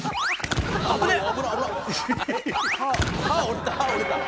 「歯折れた歯折れた」